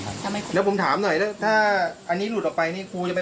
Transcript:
คุณกัลจอมพลังบอกจะมาให้ลบคลิปได้อย่างไร